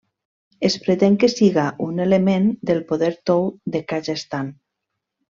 Es pretén que siga un element del poder tou de Kazakhstan.